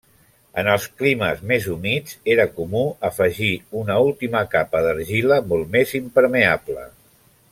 En els climes més humits era comú afegir una última capa d'argila, molt més impermeable.